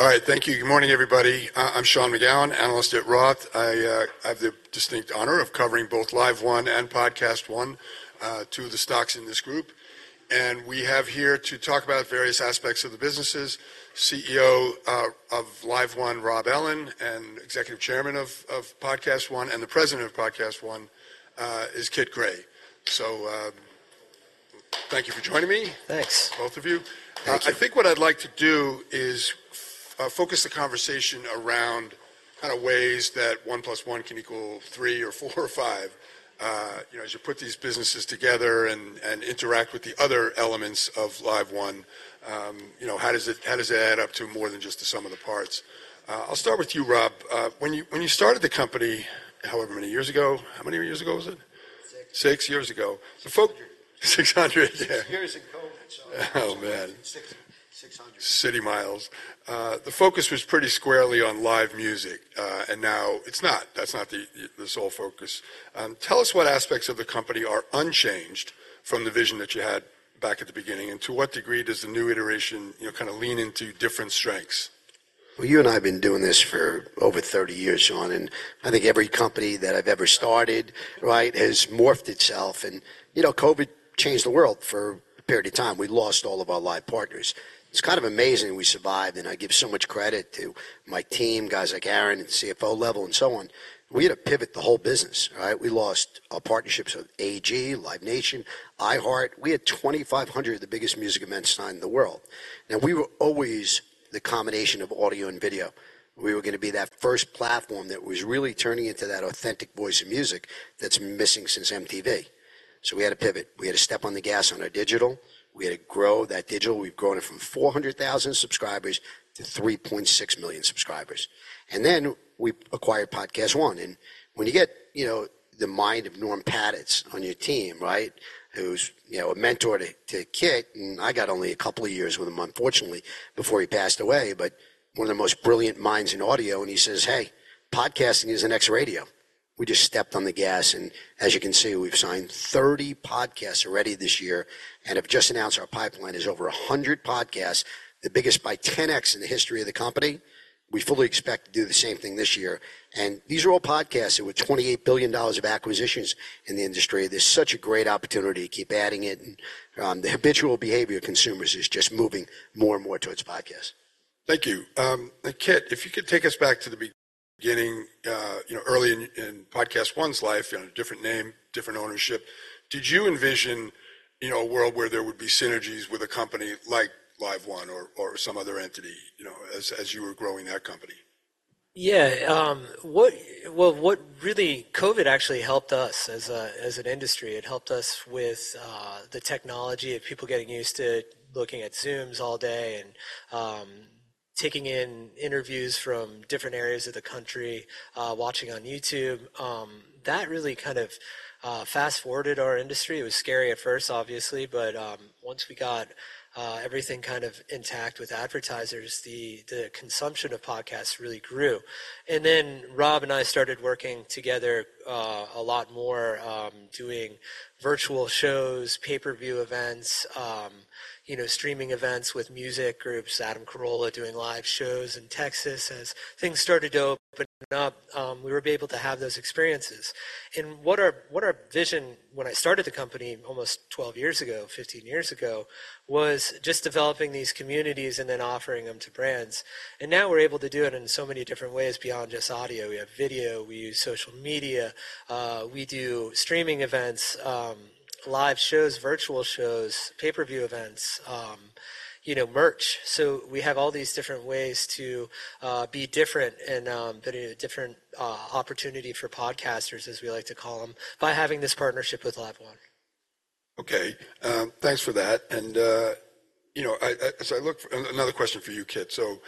All right, thank you. Good morning, everybody. I'm Sean McGowan, analyst at Roth. I have the distinct honor of covering both LiveOne and PodcastOne, two of the stocks in this group. And we have here to talk about various aspects of the businesses. CEO of LiveOne, Rob Ellin, and executive chairman of PodcastOne, and the president of PodcastOne, is Kit Gray. So, thank you for joining me. Thanks. Both of you. I think what I'd like to do is focus the conversation around kind of ways that 1 + 1 can equal 3 or 4 or 5, you know, as you put these businesses together and, and interact with the other elements of LiveOne. You know, how does it how does it add up to more than just the sum of the parts? I'll start with you, Rob. When you when you started the company, however many years ago? How many years ago was it? Six. Six years ago.It felt like. 600. 600, yeah. Years of COVID, so. Oh, man. Six, 600. City miles. The focus was pretty squarely on live music, and now it's not. That's not the sole focus. Tell us what aspects of the company are unchanged from the vision that you had back at the beginning, and to what degree does the new iteration, you know, kind of lean into different strengths? Well, you and I have been doing this for over 30 years, Sean, and I think every company that I've ever started, right, has morphed itself. You know, COVID changed the world for a period of time. We lost all of our live partners. It's kind of amazing we survived, and I give so much credit to my team, guys like Aaron at the CFO level and so on. We had to pivot the whole business, right? We lost our partnerships with AEG, Live Nation, iHeartMedia. We had 2,500 of the biggest music events signed in the world. Now, we were always the combination of audio and video. We were gonna be that first platform that was really turning into that authentic voice of music that's missing since MTV. So we had to pivot. We had to step on the gas on our digital. We had to grow that digital. We've grown it from 400,000 subscribers to 3.6 million subscribers. Then we acquired PodcastOne. When you get, you know, the mind of Norm Pattiz on your team, right, who's, you know, a mentor to, to Kit, and I got only a couple of years with him, unfortunately, before he passed away, but one of the most brilliant minds in audio, and he says, "Hey, podcasting is the next radio." We just stepped on the gas, and as you can see, we've signed 30 podcasts already this year and have just announced our pipeline is over 100 podcasts, the biggest by 10X in the history of the company. We fully expect to do the same thing this year. These are all podcasts that were $28 billion of acquisitions in the industry. There's such a great opportunity to keep adding it, and the habitual behavior of consumers is just moving more and more towards podcasts. Thank you. And Kit, if you could take us back to the beginning, you know, early in PodcastOne's life, you know, different name, different ownership, did you envision, you know, a world where there would be synergies with a company like LiveOne or some other entity, you know, as you were growing that company? Yeah, well, what really COVID actually helped us as an industry, it helped us with the technology of people getting used to looking at Zooms all day and taking in interviews from different areas of the country, watching on YouTube. That really kind of fast-forwarded our industry. It was scary at first, obviously, but once we got everything kind of intact with advertisers, the consumption of podcasts really grew. And then Rob and I started working together a lot more, doing virtual shows, pay-per-view events, you know, streaming events with music groups, Adam Carolla doing live shows in Texas. As things started to open up, we were able to have those experiences. And what our vision when I started the company almost 12 years ago, 15 years ago, was just developing these communities and then offering them to brands. Now we're able to do it in so many different ways beyond just audio. We have video. We use social media. We do streaming events, live shows, virtual shows, pay-per-view events, you know, merch. So we have all these different ways to be different and but a different opportunity for podcasters, as we like to call them, by having this partnership with LiveOne. Okay. Thanks for that. And, you know, I look for another question for you, Kit. So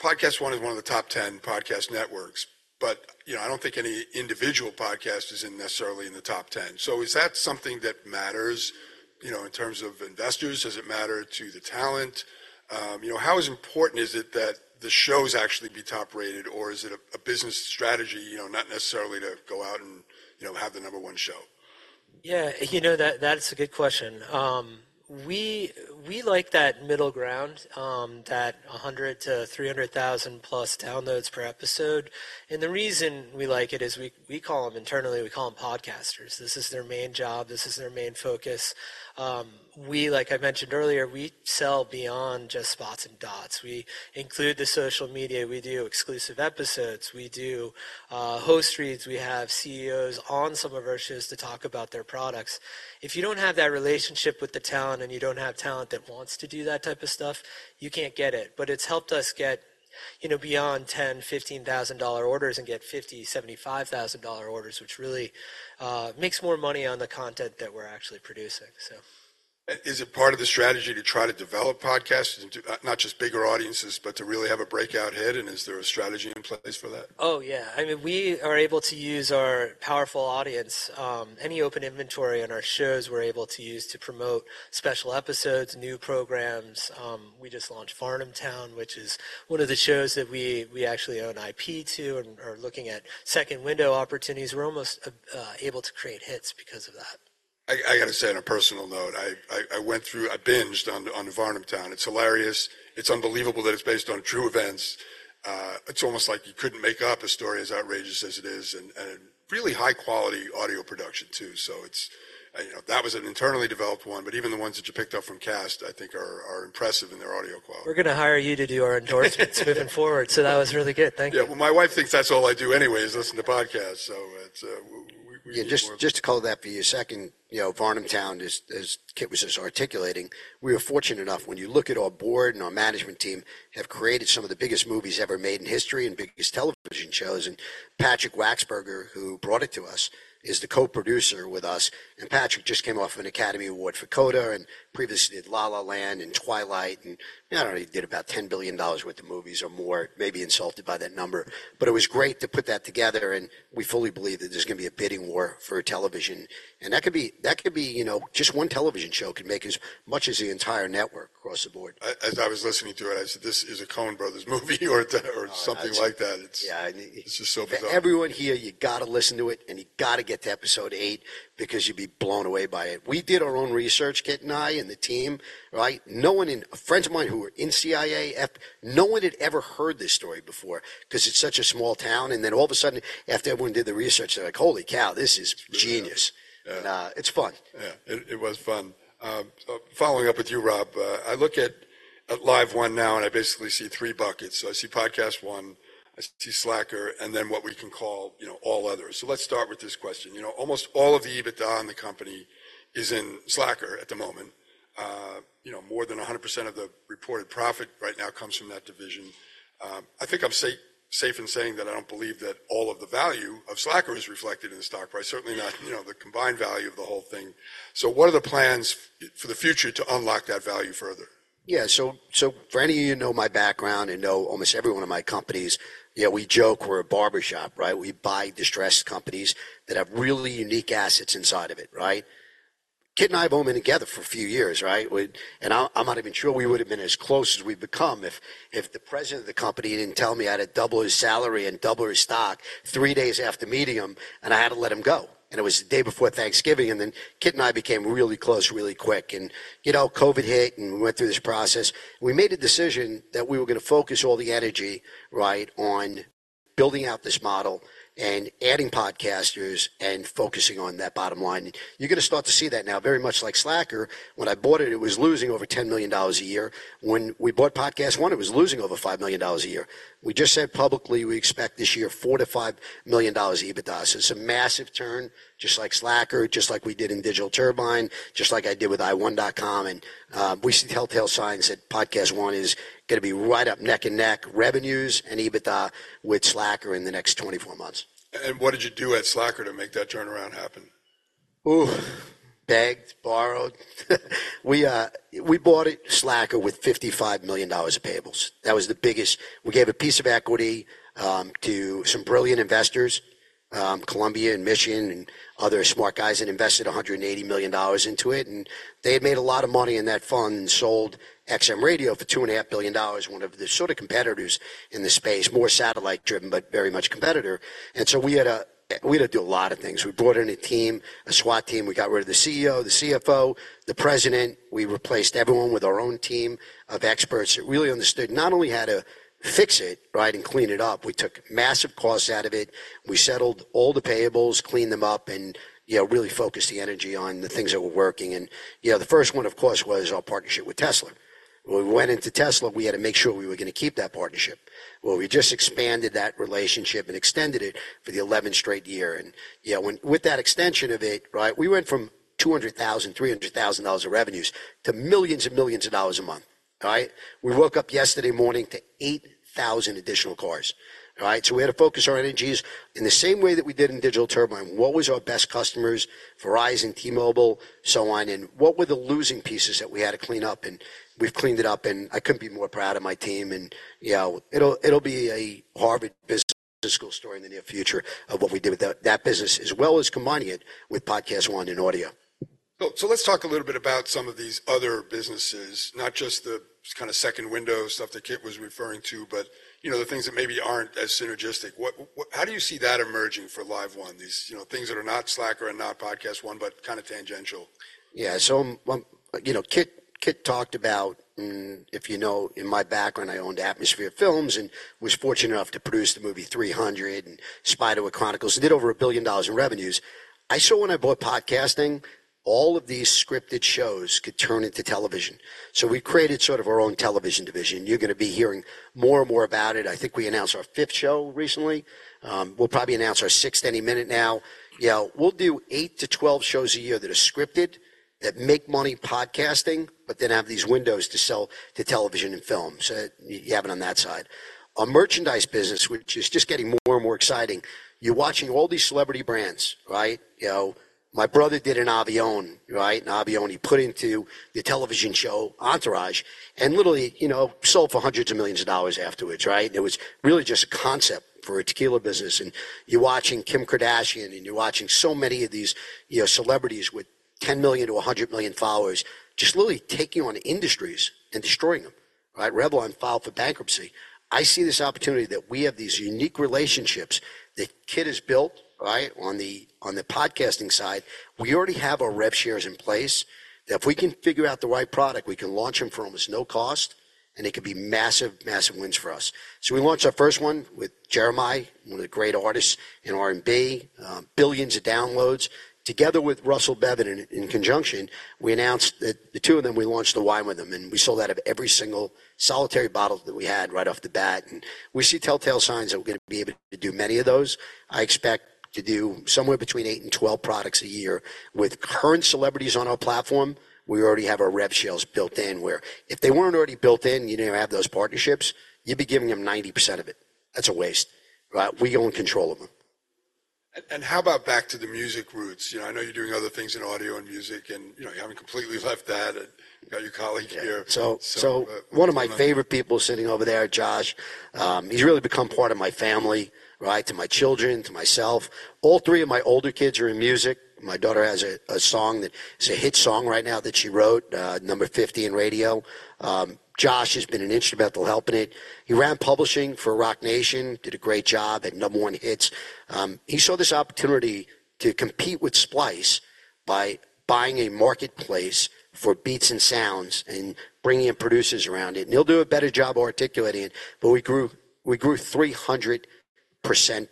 PodcastOne is one of the top 10 podcast networks, but, you know, I don't think any individual podcast is necessarily in the top 10. So is that something that matters, you know, in terms of investors? Does it matter to the talent? You know, how important is it that the shows actually be top-rated, or is it a business strategy, you know, not necessarily to go out and, you know, have the number one show? Yeah. You know, that, that's a good question. We, we like that middle ground, that 100-300,000+ downloads per episode. The reason we like it is we, we call them internally, we call them podcasters. This is their main job. This is their main focus. We, like I mentioned earlier, we sell beyond just spots and dots. We include the social media. We do exclusive episodes. We do host reads. We have CEOs on some of our shows to talk about their products. If you don't have that relationship with the talent and you don't have talent that wants to do that type of stuff, you can't get it. But it's helped us get, you know, beyond $10,000, $15,000 orders and get $50,000, $75,000 orders, which really makes more money on the content that we're actually producing, so. Is it part of the strategy to try to develop podcasts and to, not just bigger audiences, but to really have a breakout head? Is there a strategy in place for that? Oh, yeah. I mean, we are able to use our powerful audience, any open inventory on our shows, we're able to use to promote special episodes, new programs. We just launched Varnamtown, which is one of the shows that we, we actually own IP to and are looking at second-window opportunities. We're almost able to create hits because of that. I gotta say on a personal note, I binged on Varnamtown. It's hilarious. It's unbelievable that it's based on true events. It's almost like you couldn't make up a story as outrageous as it is and really high-quality audio production too. So it's, you know, that was an internally developed one, but even the ones that you picked up from Kast, I think are impressive in their audio quality. We're gonna hire you to do our endorsements moving forward. That was really good. Thank you. Yeah. Well, my wife thinks that's all I do anyway is listen to podcasts. So it's, Yeah. Just to call that out for you a second, you know, Varnamtown is, Kit was just articulating, we were fortunate enough when you look at our board and our management team have created some of the biggest movies ever made in history and biggest television shows. And Patrick Wachsberger, who brought it to us, is the co-producer with us. And Patrick just came off of an Academy Award for CODA and previously did La La Land and Twilight. And, you know, I don't know. He did about $10 billion worth of movies or more, maybe insulted by that number. But it was great to put that together, and we fully believe that there's gonna be a bidding war for television. And that could be, you know, just one television show could make as much as the entire network across the board. As I was listening to it, I said, "This is a Coen Brothers movie or, or something like that." It's. Yeah. And. This is so bizarre. For everyone here, you gotta listen to it, and you gotta get to episode 8 because you'll be blown away by it. We did our own research, Kit and I and the team, right? No one, none of my friends who were in the CIA. No one had ever heard this story before 'cause it's such a small town. Then all of a sudden, after everyone did the research, they're like, "Holy cow. This is genius." And it's fun. Yeah. It was fun. So following up with you, Rob, I look at LiveOne now, and I basically see three buckets. So I see PodcastOne, I see Slacker, and then what we can call, you know, all others. So let's start with this question. You know, almost all of the EBITDA on the company is in Slacker at the moment. You know, more than 100% of the reported profit right now comes from that division. I think I'm safe in saying that I don't believe that all of the value of Slacker is reflected in the stock price, certainly not, you know, the combined value of the whole thing. So what are the plans for the future to unlock that value further? Yeah. So, so for any of you who know my background and know almost every one of my companies, you know, we joke we're a barbershop, right? We buy distressed companies that have really unique assets inside of it, right? Kit and I have only been together for a few years, right? We and I'm, I'm not even sure we would have been as close as we've become if, if the president of the company didn't tell me I had to double his salary and double his stock three days after meeting him, and I had to let him go. And it was the day before Thanksgiving. And then Kit and I became really close really quick. And, you know, COVID hit, and we went through this process. We made a decision that we were gonna focus all the energy, right, on building out this model and adding podcasters and focusing on that bottom line. You're gonna start to see that now. Very much like Slacker, when I bought it, it was losing over $10 million a year. When we bought PodcastOne, it was losing over $5 million a year. We just said publicly, we expect this year $4-$5 million EBITDA. So it's a massive turn, just like Slacker, just like we did in Digital Turbine, just like I did with iWon.com. We see telltale signs that PodcastOne is gonna be right up neck and neck revenues and EBITDA with Slacker in the next 24 months. What did you do at Slacker to make that turnaround happen? Ooh. Begged, borrowed. We, we bought it, Slacker, with $55 million of payables. That was the biggest we gave a piece of equity, to some brilliant investors, Columbia and Mission and other smart guys, and invested $180 million into it. And they had made a lot of money in that fund and sold XM Radio for $2.5 billion, one of the sort of competitors in the space, more satellite-driven but very much a competitor. And so we had a we had to do a lot of things. We brought in a team, a SWAT team. We got rid of the CEO, the CFO, the president. We replaced everyone with our own team of experts that really understood not only how to fix it, right, and clean it up. We took massive costs out of it. We settled all the payables, cleaned them up, and, you know, really focused the energy on the things that were working. And, you know, the first one, of course, was our partnership with Tesla. When we went into Tesla, we had to make sure we were gonna keep that partnership. Well, we just expanded that relationship and extended it for the 11th straight year. And, you know, with that extension of it, right, we went from $200,000-$300,000 of revenues to $ millions and millions a month, right? We woke up yesterday morning to 8,000 additional cars, right? So we had to focus our energies in the same way that we did in Digital Turbine. What was our best customers? Verizon, T-Mobile, so on. And what were the losing pieces that we had to clean up? We've cleaned it up, and I couldn't be more proud of my team. You know, it'll, it'll be a Harvard Business School story in the near future of what we did with that, that business as well as combining it with PodcastOne and audio. So let's talk a little bit about some of these other businesses, not just the kind of second-window stuff that Kit was referring to, but, you know, the things that maybe aren't as synergistic. What, how do you see that emerging for LiveOne, these, you know, things that are not Slacker and not PodcastOne but kind of tangential? Yeah. So one, you know, Kit, Kit talked about, and if you know, in my background, I owned Atmosphere Entertainment and was fortunate enough to produce the movie 300 and Spiderwick Chronicles and did over $1 billion in revenues. I saw when I bought PodcastOne, all of these scripted shows could turn into television. So we created sort of our own television division. You're gonna be hearing more and more about it. I think we announced our fifth show recently. We'll probably announce our sixth any minute now. You know, we'll do 8-12 shows a year that are scripted that make money podcasting but then have these windows to sell to television and film. So you have it on that side. Our merchandise business, which is just getting more and more exciting, you're watching all these celebrity brands, right? You know, my brother did an Avión, right? Tequila Avión. He put into the television show Entourage and literally, you know, sold for $hundreds of millions afterwards, right? It was really just a concept for a tequila business. You're watching Kim Kardashian, and you're watching so many of these, you know, celebrities with 10 million-100 million followers just literally taking on industries and destroying them, right? Revlon filed for bankruptcy. I see this opportunity that we have these unique relationships that Kit has built, right, on the podcasting side. We already have our rev shares in place that if we can figure out the right product, we can launch them for almost no cost, and it could be massive, massive wins for us. So we launched our first one with Jeremih, one of the great artists in R&B, billions of downloads. Together with Russell Bevan in conjunction, we announced that the two of them, we launched the wine with them, and we sold out of every single solitary bottle that we had right off the bat. We see telltale signs that we're gonna be able to do many of those. I expect to do somewhere between 8 and 12 products a year. With current celebrities on our platform, we already have our rev shares built in where if they weren't already built in, you didn't have those partnerships, you'd be giving them 90% of it. That's a waste, right? We don't control them. How about back to the music roots? You know, I know you're doing other things in audio and music, and, you know, you haven't completely left that. You got your colleague here. Yeah. So, so one of my favorite people sitting over there, Josh, he's really become part of my family, right, to my children, to myself. All three of my older kids are in music. My daughter has a, a song that it's a hit song right now that she wrote, number 50 in radio. Josh has been an instrumental help in it. He ran publishing for Roc Nation, did a great job, had number one hits. He saw this opportunity to compete with Splice by buying a marketplace for beats and sounds and bringing in producers around it. And he'll do a better job articulating it. But we grew we grew 300%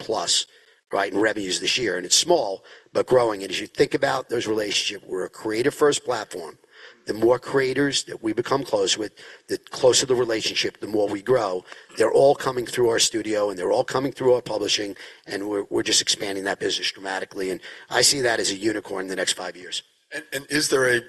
plus, right, in revenues this year. And it's small but growing. And as you think about those relationships, we're a creative-first platform. The more creators that we become close with, the closer the relationship, the more we grow. They're all coming through our studio, and they're all coming through our publishing. We're just expanding that business dramatically. I see that as a unicorn in the next five years. Is there a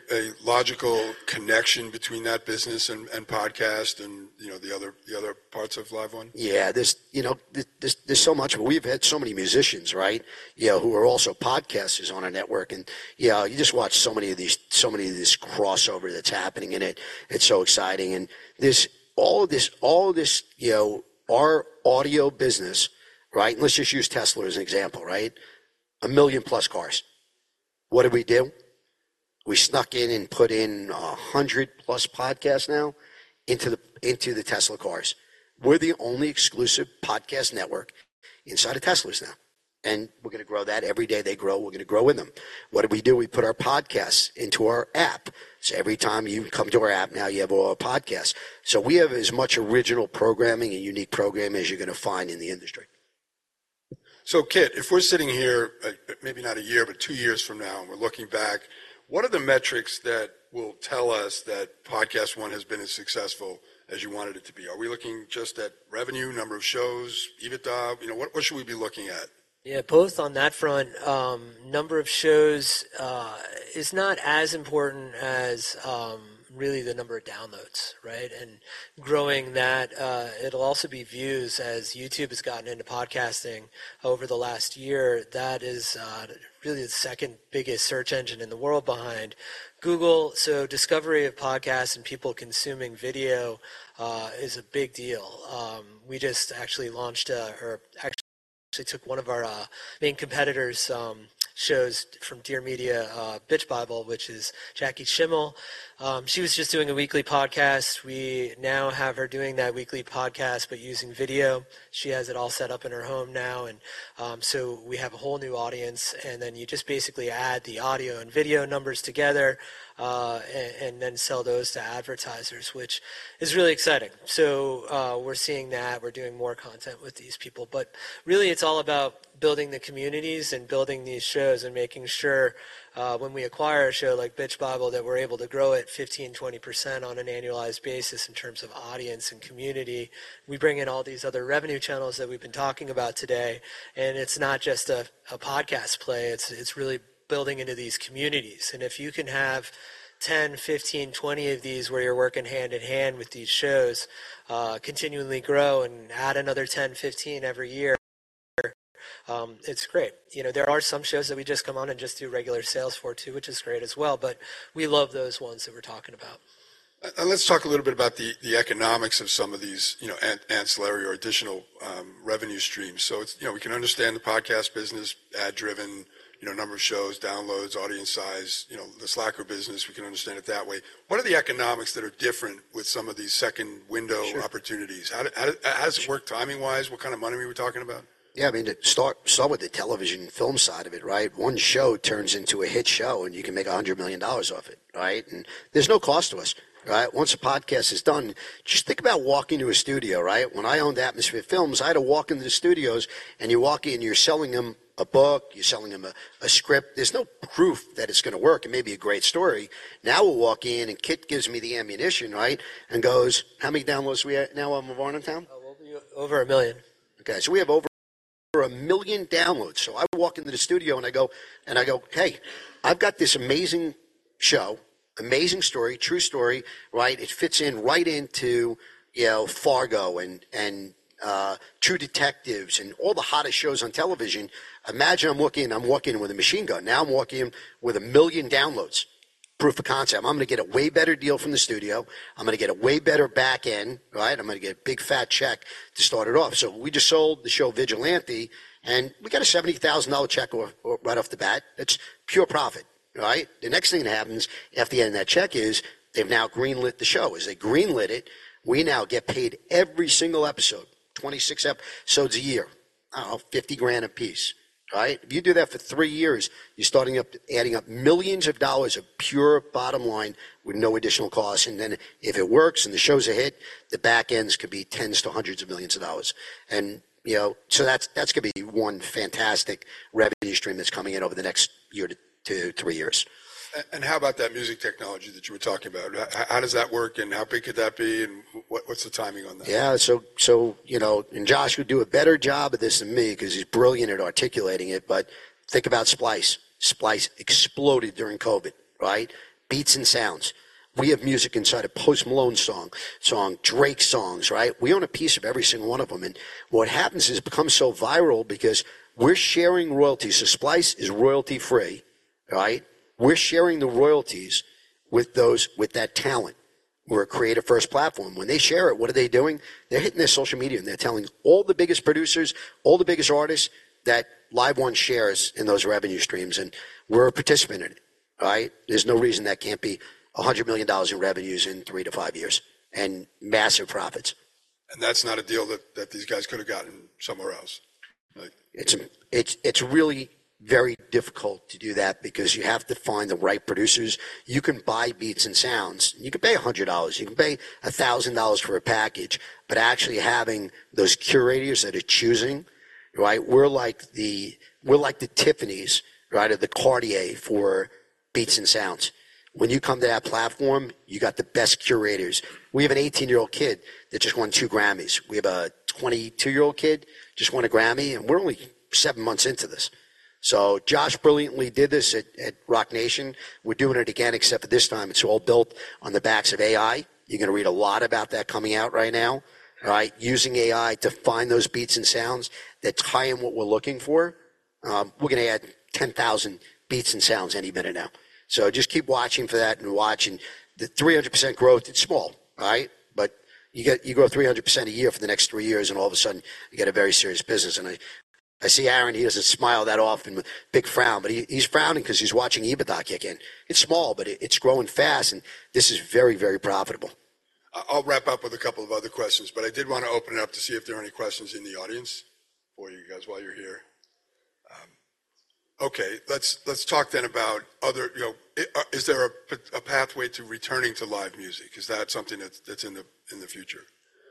logical connection between that business and Podcast and, you know, the other parts of LiveOne? Yeah. There's, you know, there's so much. We've had so many musicians, right, you know, who are also podcasters on our network. And, you know, you just watch so many of these crossovers that's happening. And it, it's so exciting. And there's all of this, you know, our audio business, right, and let's just use Tesla as an example, right, 1 million-plus cars. What did we do? We snuck in and put in 100-plus podcasts now into the Tesla cars. We're the only exclusive podcast network inside of Teslas now. And we're gonna grow that. Every day they grow. We're gonna grow with them. What did we do? We put our podcasts into our app. So every time you come to our app now, you have all our podcasts. We have as much original programming and unique programming as you're gonna find in the industry. So, Kit, if we're sitting here, maybe not a year but two years from now, and we're looking back, what are the metrics that will tell us that PodcastOne has been as successful as you wanted it to be? Are we looking just at revenue, number of shows, EBITDA? You know, what, what should we be looking at? Yeah. Both on that front, number of shows, is not as important as, really the number of downloads, right? And growing that, it'll also be views as YouTube has gotten into podcasting over the last year. That is, really the second biggest search engine in the world behind Google. So discovery of podcasts and people consuming video, is a big deal. We just actually took one of our main competitors' shows from Dear Media, Bitch Bible, which is Jackie Schimmel. She was just doing a weekly podcast. We now have her doing that weekly podcast but using video. She has it all set up in her home now. And, so we have a whole new audience. And then you just basically add the audio and video numbers together, and then sell those to advertisers, which is really exciting. So, we're seeing that. We're doing more content with these people. But really, it's all about building the communities and building these shows and making sure, when we acquire a show like Bitch Bible that we're able to grow it 15%-20% on an annualized basis in terms of audience and community. We bring in all these other revenue channels that we've been talking about today. And it's not just a podcast play. It's really building into these communities. And if you can have 10, 15, 20 of these where you're working hand in hand with these shows, continually grow and add another 10, 15 every year, it's great. You know, there are some shows that we just come on and just do regular sales for too, which is great as well. But we love those ones that we're talking about. Let's talk a little bit about the economics of some of these, you know, ancillary or additional revenue streams. So it's, you know, we can understand the podcast business, ad-driven, you know, number of shows, downloads, audience size, you know, the Slacker business. We can understand it that way. What are the economics that are different with some of these second-window opportunities? How does it work timing-wise? What kind of money are we talking about? Yeah. I mean, to start with the television and film side of it, right? One show turns into a hit show, and you can make $100 million off it, right? And there's no cost to us, right? Once a podcast is done, just think about walking to a studio, right? When I owned Atmosphere Entertainment, I had to walk into the studios, and you walk in, and you're selling them a book. You're selling them a script. There's no proof that it's gonna work. It may be a great story. Now we'll walk in, and Kit gives me the ammunition, right, and goes, "How many downloads do we have now on Varnamtown? Over 1 million. Okay. So we have over 1 million downloads. So I walk into the studio, and I go, "Hey, I've got this amazing show, amazing story, true story, right? It fits in right into, you know, Fargo and True Detective and all the hottest shows on television. Imagine I'm walking in. I'm walking in with a machine gun. Now I'm walking in with 1 million downloads, proof of concept. I'm gonna get a way better deal from the studio. I'm gonna get a way better backend, right? I'm gonna get a big, fat check to start it off." So we just sold the show Vigilante, and we got a $70,000 check right off the bat. It's pure profit, right? The next thing that happens after the end of that check is they've now greenlit the show. As they greenlit it, we now get paid every single episode, 26 episodes a year, I don't know, $50,000 apiece, right? If you do that for three years, you're starting up adding up $ millions of pure bottom line with no additional cost. Then if it works and the show's a hit, the backends could be tens to hundreds of $ millions. You know, so that's gonna be one fantastic revenue stream that's coming in over the next year to three years. How about that music technology that you were talking about? How does that work, and how big could that be, and what's the timing on that? Yeah. So, you know, and Josh would do a better job of this than me 'cause he's brilliant at articulating it. But think about Splice. Splice exploded during COVID, right? Beats and sounds. We have music inside of Post Malone's song, Drake's songs, right? We own a piece of every single one of them. And what happens is it becomes so viral because we're sharing royalties. So Splice is royalty-free, right? We're sharing the royalties with those with that talent. We're a creative-first platform. When they share it, what are they doing? They're hitting their social media, and they're telling all the biggest producers, all the biggest artists that LiveOne shares in those revenue streams. And we're a participant in it, right? There's no reason that can't be $100 million in revenues in 3-5 years and massive profits. That's not a deal that these guys could have gotten somewhere else, right? It's really very difficult to do that because you have to find the right producers. You can buy Beats and Sounds. You can pay $100. You can pay $1,000 for a package. But actually having those curators that are choosing, right, we're like the Tiffany's, right, at the Cartier for Beats and Sounds. When you come to that platform, you got the best curators. We have an 18-year-old kid that just won 2 Grammys. We have a 22-year-old kid just won a Grammy, and we're only 7 months into this. So Josh brilliantly did this at Roc Nation. We're doing it again except for this time. It's all built on the backs of AI. You're gonna read a lot about that coming out right now, right, using AI to find those beats and sounds that tie in what we're looking for. We're gonna add 10,000 beats and sounds any minute now. So just keep watching for that and watching. The 300% growth, it's small, right? But you get you grow 300% a year for the next three years, and all of a sudden, you get a very serious business. And I, I see Aaron. He doesn't smile that often with a big frown, but he, he's frowning 'cause he's watching EBITDA kick in. It's small, but it-it's growing fast, and this is very, very profitable. I'll wrap up with a couple of other questions, but I did wanna open it up to see if there are any questions in the audience for you guys while you're here. Okay. Let's talk then about other, you know, is there a pathway to returning to live music? Is that something that's in the future?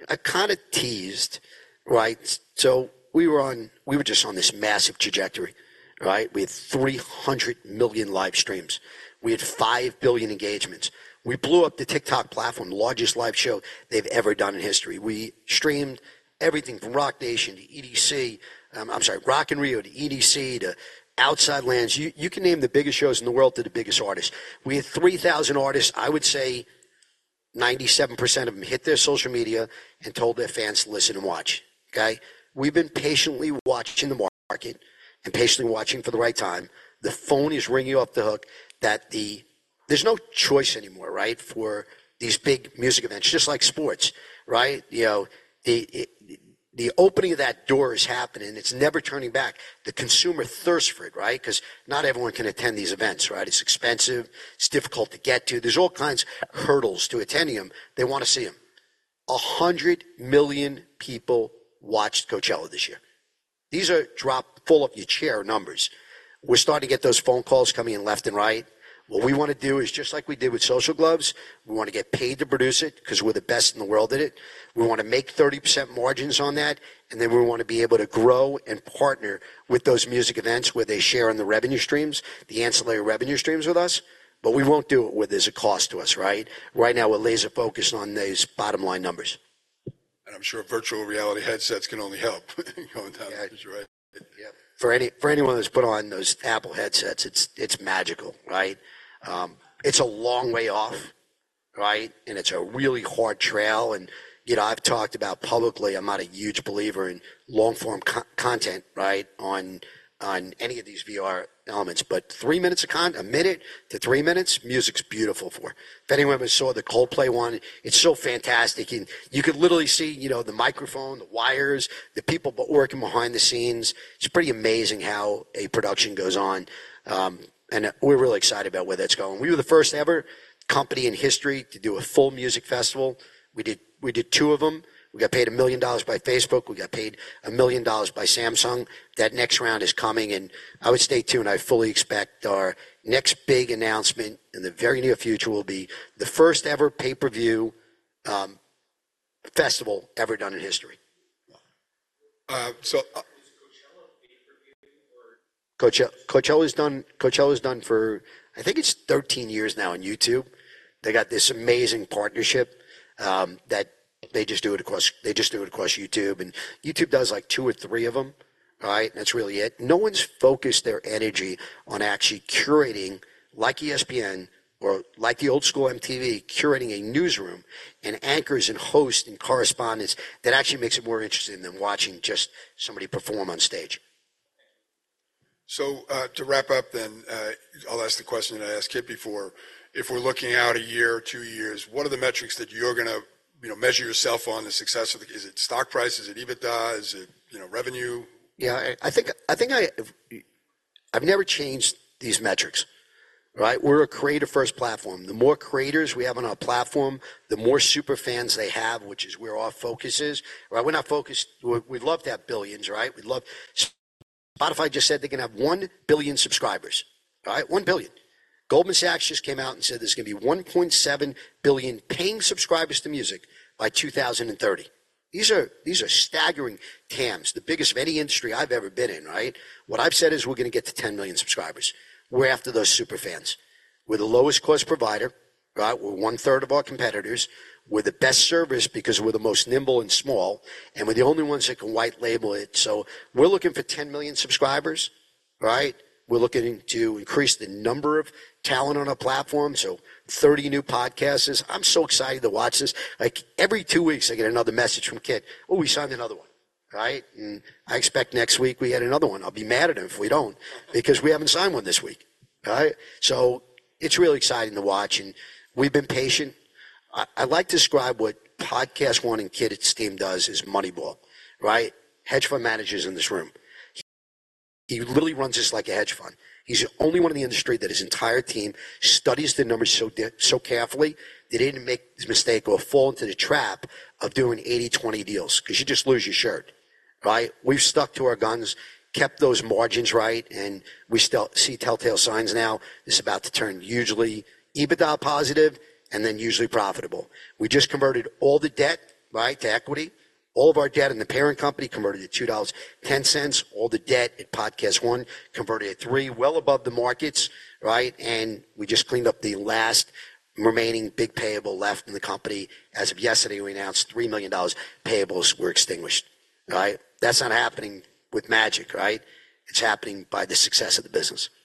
I kinda teased, right? So we were just on this massive trajectory, right, with 300 million live streams. We had 5 billion engagements. We blew up the TikTok platform, largest live show they've ever done in history. We streamed everything from Roc Nation to EDC, I'm sorry, Rock in Rio to EDC to Outside Lands. You can name the biggest shows in the world to the biggest artists. We had 3,000 artists. I would say 97% of them hit their social media and told their fans, "Listen and watch," okay? We've been patiently watching the market and patiently watching for the right time. The phone is ringing you off the hook that there's no choice anymore, right, for these big music events, just like sports, right? You know, the opening of that door is happening. It's never turning back. The consumer thirsts for it, right, 'cause not everyone can attend these events, right? It's expensive. It's difficult to get to. There's all kinds of hurdles to attending them. They wanna see them. 100 million people watched Coachella this year. These are fall of your chair numbers. We're starting to get those phone calls coming in left and right. What we wanna do is just like we did with Social Gloves, we wanna get paid to produce it 'cause we're the best in the world at it. We wanna make 30% margins on that. And then we wanna be able to grow and partner with those music events where they share in the revenue streams, the ancillary revenue streams with us. But we won't do it where there's a cost to us, right? Right now, we're laser-focused on these bottom-line numbers. I'm sure virtual reality headsets can only help, you know, in that regard, right? Yep. For anyone that's put on those Apple headsets, it's, it's magical, right? It's a long way off, right, and it's a really hard trail. You know, I've talked about publicly, I'm not a huge believer in long-form content, right, on any of these VR elements. But three minutes of content, a minute to three minutes, music's beautiful for. If anyone ever saw the Coldplay one, it's so fantastic. And you could literally see, you know, the microphone, the wires, the people working behind the scenes. It's pretty amazing how a production goes on. We're really excited about where that's going. We were the first-ever company in history to do a full music festival. We did two of them. We got paid $1 million by Facebook. We got paid $1 million by Samsung. That next round is coming. I would stay tuned. I fully expect our next big announcement in the very near future will be the first-ever pay-per-view festival ever done in history. so. Is Coachella pay-per-view or? Coachella is done for, I think it's 13 years now on YouTube. They got this amazing partnership, that they just do it across YouTube. And YouTube does like 2 or 3 of them, right? And that's really it. No one's focused their energy on actually curating, like ESPN or like the old-school MTV, curating a newsroom and anchors and hosts and correspondents that actually makes it more interesting than watching just somebody perform on stage. So, to wrap up then, I'll ask the question that I asked Kit before. If we're looking out a year, two years, what are the metrics that you're gonna, you know, measure yourself on the success of the? Is it stock price? Is it EBITDA? Is it, you know, revenue? Yeah. I think I've never changed these metrics, right? We're a creative-first platform. The more creators we have on our platform, the more superfans they have, which is where our focus is, right? We're not focused. We'd love to have billions, right? We'd love. Spotify just said they're gonna have 1 billion subscribers, right? 1 billion. Goldman Sachs just came out and said there's gonna be 1.7 billion paying subscribers to music by 2030. These are staggering TAMs, the biggest of any industry I've ever been in, right? What I've said is we're gonna get to 10 million subscribers. We're after those superfans. We're the lowest-cost provider, right? We're one-third of our competitors. We're the best service because we're the most nimble and small and we're the only ones that can white-label it. So we're looking for 10 million subscribers, right? We're looking to increase the number of talent on our platform, so 30 new podcasts. I'm so excited to watch this. Like, every 2 weeks, I get another message from Kit, "Oh, we signed another one," right? And I expect next week, we add another one. I'll be mad at him if we don't because we haven't signed one this week, right? So it's really exciting to watch. We've been patient. I like to describe what PodcastOne and Kit and his team does is Moneyball, right? Hedge fund managers in this room. He literally runs this like a hedge fund. He's the only one in the industry that his entire team studies the numbers so carefully. They didn't make this mistake or fall into the trap of doing 80/20 deals 'cause you just lose your shirt, right? We've stuck to our guns, kept those margins right, and we still see telltale signs now. It's about to turn usually EBITDA positive and then usually profitable. We just converted all the debt, right, to equity. All of our debt in the parent company converted to $2.10. All the debt at PodcastOne converted to $3, well above the markets, right? We just cleaned up the last remaining big payable left in the company. As of yesterday, we announced $3 million payables were extinguished, right? That's not happening with magic, right? It's happening by the success of the business. All right.